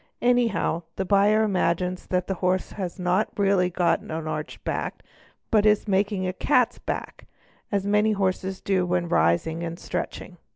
Anyhow the buyer imagines that the horse has not— really got an arched back and that he is only making a "'cat's back", as many horses do when rising and stretching.